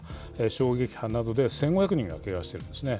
衝撃波などで１５００人がけがしてるんですね。